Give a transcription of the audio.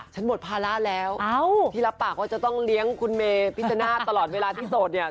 หมดภาระแล้วที่รับปากว่าจะต้องเลี้ยงคุณเมพิชนาธิตลอดเวลาที่โสดเนี่ย